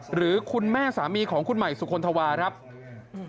หรือคุณแม่สามีของคุณใหม่สุขนธวาตอนนี้ครับ